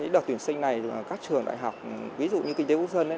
đợt tuyển sinh này là các trường đại học ví dụ như kinh tế quốc dân